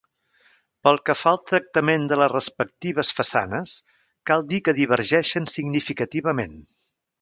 Pel que fa al tractament de les respectives façanes cal dir que divergeixen significativament.